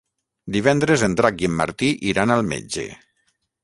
Divendres en Drac i en Martí iran al metge.